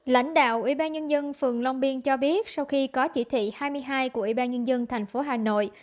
lãnh đạo ubnd phường long biên cho biết sau khi có chỉ thị hai mươi hai của ubnd thành phố hà nội